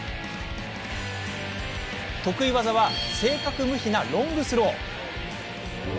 得意技は正確無比なロングスロー。